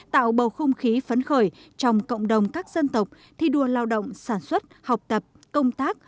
tạo bầu không khí phấn khởi trong cộng đồng các dân tộc thi đua lao động sản xuất học tập công tác